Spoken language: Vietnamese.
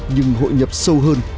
nhưng hội nhập sâu hơn